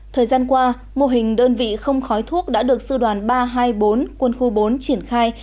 thời gian qua mô hình đơn vị không khói thuốc đã được sư đoàn ba trăm hai mươi bốn quân khu bốn triển khai